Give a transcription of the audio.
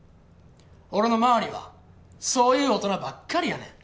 俺の周りはそういう大人ばっかりやねん。